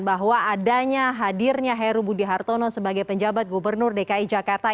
bahwa adanya hadirnya heru budi hartono sebagai penjabat gubernur dki jakarta